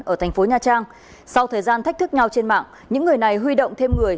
ở tp nha trang sau thời gian thách thức nhau trên mạng những người này huy động thêm người